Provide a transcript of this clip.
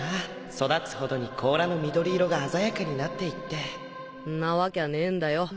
育つほどに甲羅の緑色が鮮やかになっていってんなわきゃねえんだよ。